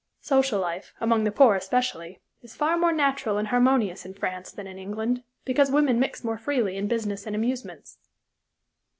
Social life, among the poor especially, is far more natural and harmonious in France than in England, because women mix more freely in business and amusements.